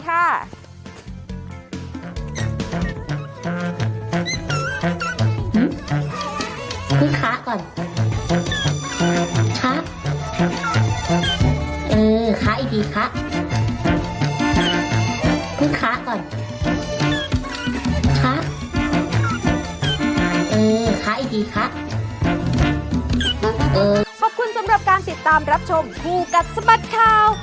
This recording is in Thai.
ขอบคุณสำหรับการติดตามรับชมคู่กัดสะบัดข่าว